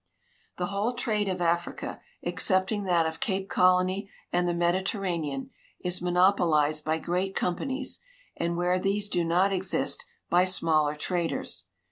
The Avhole trade of Africa, excepting that of Cape Colony and the Mediterranean, is monopolized by great companies, and where these do not exist, by smaller traders.